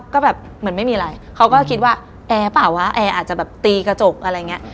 ก็แบบเหมือนไม่มีอะไรเขาก็คิดว่าแอร์เปล่าวะแอร์อาจจะแบบตีกระจกอะไรอย่างนี้